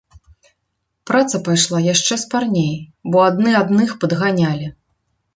Праца пайшла яшчэ спарней, бо адны адных падганялі.